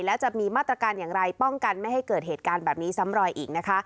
และจะมีมาตรการอย่างไรป้องกันไม่ให้เกิดเหตุการณ์แบบนี้ซ้ำรอยอีกนะคะ